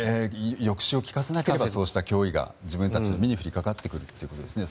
抑止を効かせなければそうした脅威が自分たちの身に降りかかってくるということですね。